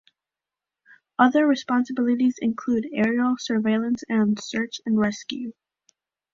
Other responsibilities include aerial surveillance and search and rescue.